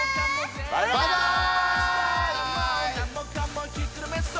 バイバイ！